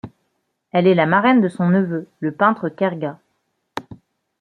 Elle est la marraine de son neveu, le peintre Kerga.